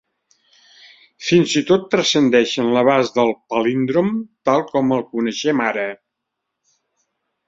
Fins i tot transcendeixen l'abast del palíndrom tal com el coneixem ara.